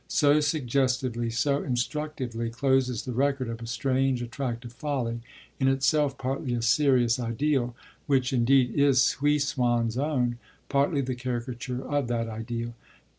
So suggestively, so instructively, closes the record of a strange, attractive folly in itself partly a serious ideal (which indeed is Huysmans' own), partly the caricature of that ideal.